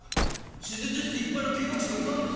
手術室いっぱいの見学者がいたんですよ。